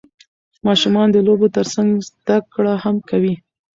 ماشومان د لوبو ترڅنګ زده کړه هم کوي